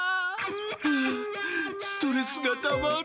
あストレスがたまる。